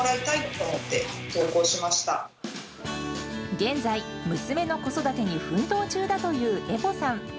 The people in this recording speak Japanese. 現在、娘の子育てに奮闘中だというえぽさん。